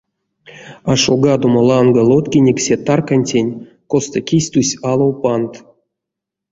Ашолгадома ланга лоткинек се таркантень, косто кись тусь алов пандт.